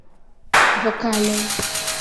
vokalo